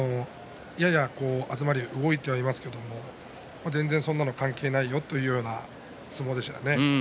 東龍、動いていますけれど全然そんなの関係ないよという相撲でしたね。